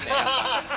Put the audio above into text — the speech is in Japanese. ハハハ！